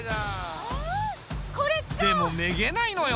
でもめげないのよ